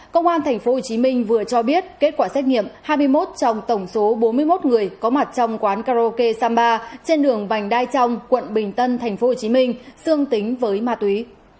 công an tp hcm vừa cho biết kết quả xét nghiệm hai mươi một trong tổng số bốn mươi một người có mặt trong quán karaoke samba trên đường vành đai trong quận bình tân tp hcm dương tính với ma túy